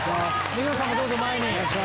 目黒さんもどうぞ前に。